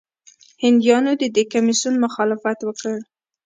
هندیانو د دې کمیسیون مخالفت وکړ.